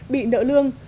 bị nỡ lương